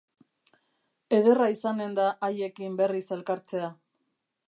Ederra izanen da haiekin berriz elkartzea.